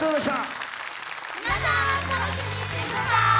皆さん、楽しみにしてください！